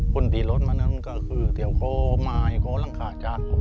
คนที่รถมานั้นก็คือเดี๋ยวเขามาก็ล้างขาจาก